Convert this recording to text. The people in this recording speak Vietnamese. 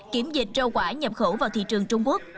kiểm dịch rau quả nhập khẩu vào thị trường trung quốc